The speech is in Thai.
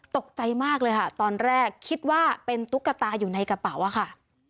ตกใจมากเลยค่ะตอนแรกคิดว่าเป็นตุ๊กตาอยู่ในกระเป๋าอะค่ะ